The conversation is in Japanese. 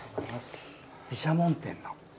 毘沙門天。